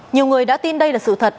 nhiều người đã tin đây là sự thật